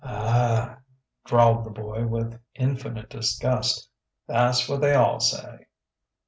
"Ah," drawled the boy with infinite disgust, "tha's what they all say!"